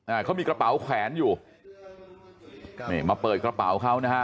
อ่าเขามีกระเป๋าแขวนอยู่นี่มาเปิดกระเป๋าเขานะฮะ